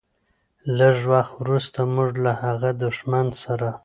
لږ وخت وروسته موږ له هغه دښمن سره.